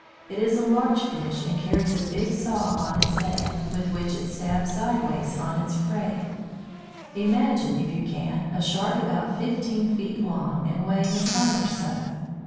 It is a large fish, and carries a big saw on its head, with which it stabs sideways at its prey. Imagine, if you can, a Shark about fifteen feet long and weighing a ton or so.